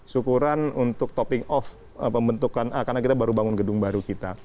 syukuran untuk topping off pembentukan karena kita baru bangun gedung baru kita